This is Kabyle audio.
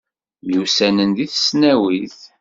Myussanen deg tesnawit.